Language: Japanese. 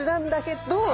ど？